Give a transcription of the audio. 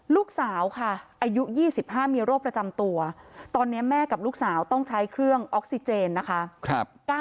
ลูกสาวค่ะอายุ๒๕มีโรคประจำตัวตอนนี้แม่กับลูกสาวต้องใช้เครื่องออกซิเจนนะคะ